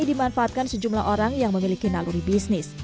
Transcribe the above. dimanfaatkan sejumlah orang yang memiliki naluri bisnis